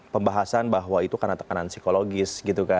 pembahasan bahwa itu karena tekanan psikologis